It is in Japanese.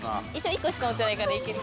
１個しか持ってないからいける。